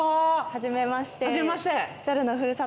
はじめまして。